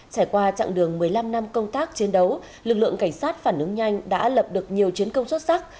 trải qua chặng đường một mươi năm năm công tác chiến đấu lực lượng cảnh sát phản ứng nhanh đã lập được nhiều chiến công xuất sắc